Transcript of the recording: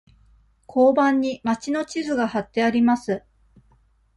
交番に町の地図がはってあります。